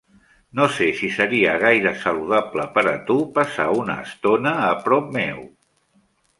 No sé si seria gaire saludable per a tu passar una estona a prop meu.